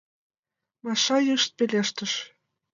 — Маша йышт пелештыш.